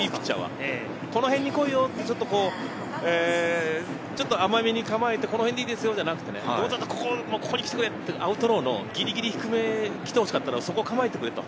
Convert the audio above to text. このへんに来いよって甘めに構えてこの辺でいいですよじゃなくて、ここに来てくれ、アウトローのギリギリ低めに来てほしかったら、そこに構えてくれと。